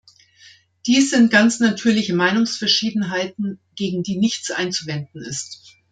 Dies sind ganz natürliche Meinungsverschiedenheiten, gegen die nichts einzuwenden ist.